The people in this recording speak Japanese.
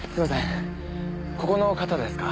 ここの方ですか？